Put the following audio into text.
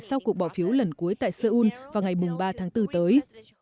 sau cuộc bỏ phiếu lần cuối tại seoul vào ngày ba tháng bốn tới